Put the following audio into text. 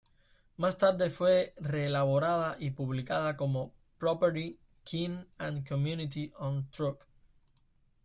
Más tarde fue reelaborada y publicada como "Property, Kin, and Community on Truk".